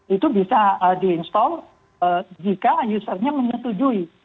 itu bisa diinstall jika usernya menyetujui